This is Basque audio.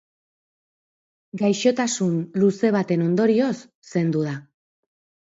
Gaixotasun luze baten ondorioz zendu da.